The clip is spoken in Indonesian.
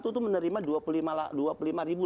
itu menerima dua puluh lima ribu